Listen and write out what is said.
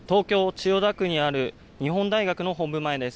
千代田区にある日本大学の本部前です。